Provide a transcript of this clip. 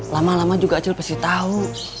lama lama juga acil pasti tahu